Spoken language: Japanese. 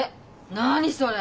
何それ？